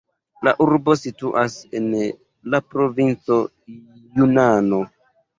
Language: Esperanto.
La urbo situas en la provinco Junano.